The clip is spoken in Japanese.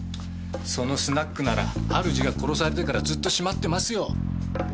そのスナックなら主が殺されてからずっと閉まってますよ。